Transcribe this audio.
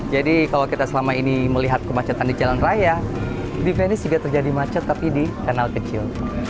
jadi kalau kita selama ini melihat kemacetan di jalan raya di venesia juga terjadi macet tapi di kanal kecil